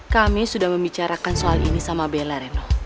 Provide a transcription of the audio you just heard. kami sudah membicarakan soal ini sama bella reno